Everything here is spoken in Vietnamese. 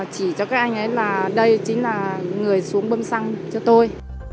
chỉ cho các anh ấy là đây chính là người xuống bơm xăng cho tôi